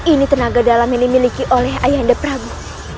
ini tenaga dalam yang dimiliki oleh ayahanda prabu